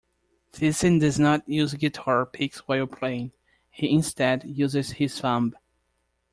Thiessen does not use guitar picks while playing; he instead uses his thumb.